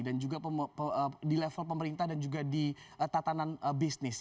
dan juga di level pemerintah dan juga di tatanan bisnis